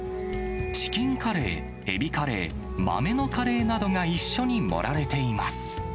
チキンカレー、エビカレー、豆のカレーなどが一緒に盛られています。